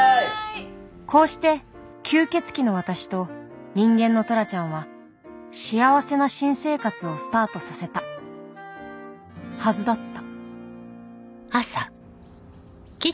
こうして吸血鬼の私と人間のトラちゃんは幸せな新生活をスタートさせたはずだった